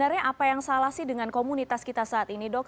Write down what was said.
jadi sebenarnya apa yang salah sih dengan komunitas kita saat ini dok